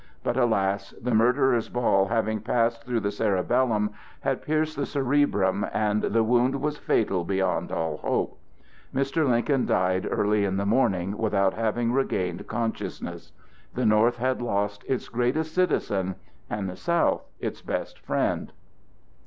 But alas! the murderer's ball having passed through the cerebellum had pierced the cerebrum, and the wound was fatal beyond all hope. Mr. Lincoln died early in the morning without having regained consciousness. The North had lost its greatest citizen and the South its best friend.